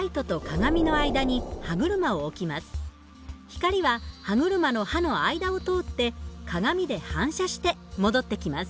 光は歯車の歯の間を通って鏡で反射して戻ってきます。